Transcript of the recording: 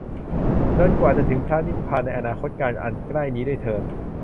จนกว่าจะถึงพระนิพพาน ในอนาคตกาล อันใกล้นี้ด้วยเทอญ